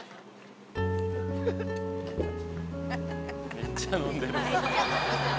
めっちゃ飲んでる。